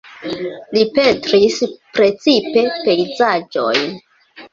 Li pentris precipe pejzaĝojn.